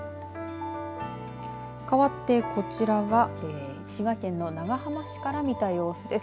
かわってこちらは滋賀県の長浜市から見た様子です。